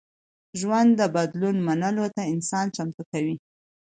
ژوند د بدلون منلو ته انسان چمتو کوي.